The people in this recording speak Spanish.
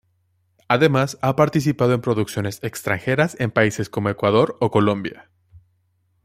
Además ha participado en producciones extranjeras en países como Ecuador o Colombia.